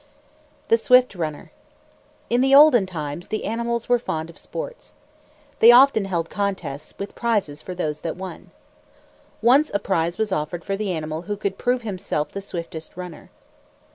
THE SWIFT RUNNER In the olden times, the animals were fond of sports. They often held contests, with prizes for those that won. Once a prize was offered for the animal who could prove himself the swiftest runner.